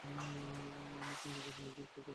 আমার সঙ্গে জাপানীদের তেমন পরিচয় নেই।